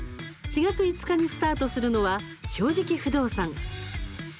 ４月５日にスタートするのは「正直不動産」。